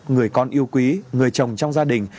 người con yêu quý người chồng trong gia đình